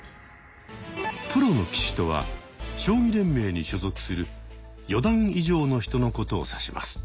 プロの棋士とは将棋連盟に所属する四段以上の人のことを指します。